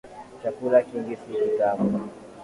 Chakuli kingi si kitamu.